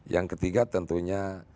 yang ketiga tentunya